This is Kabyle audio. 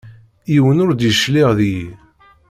Yiwen ur d-yecliε deg-i.